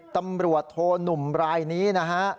ตำรวจโทหนุ่มรายนี้นะฮะ